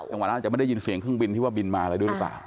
จังหวัดนั้นอาจจะไม่ได้ยินเสียงเครื่องบินที่ว่าบินมาอะไรด้วยหรือเปล่า